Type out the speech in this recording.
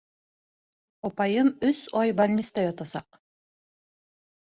Апайым өс ай бальниста ятасаҡ!